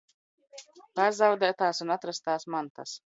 Pazaudētās un atrastās mantas.